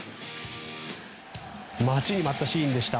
待ちに待ったシーンでした。